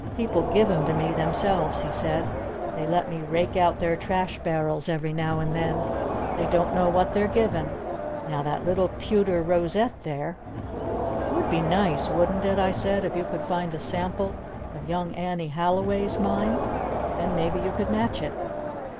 People give 'em to me themselves," he said. "They let me rake out their trash barrels every now and then. They don't know what they're givin.' Now, that little pewter rosette there " "It would be nice wouldn't it," I said, "if you could find a sample of Young Annie Halliway's mind? Then maybe you could match it!"